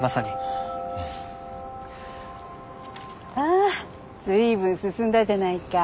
ああ随分進んだじゃないか。